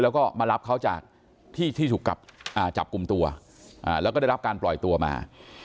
แล้วก็มารับเขาจากที่ที่ถูกจับกลุ่มตัวแล้วก็ได้รับการปล่อยตัวมา